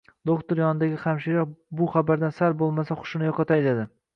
Do`xtir yonidagi hamshira bu xabardan sal bo`lmasa hushini yo`qotay, dedi